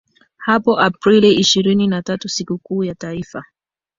hapo April ishirini na tatu sikukuu ya taifa